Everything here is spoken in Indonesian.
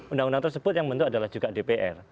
undang undang tersebut yang bentuk adalah juga dpr